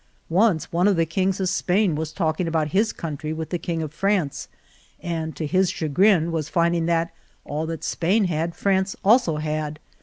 Once one of the kings of Spain was talking about his country with the king of France, and to his chagrin was finding that all that Spain had, France also had.